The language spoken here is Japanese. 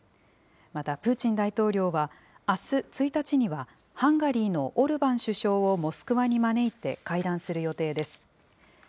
また、プーチン大統領はあす１日にはハンガリーのオルバン首相をモスクワに招いて会談する予定です。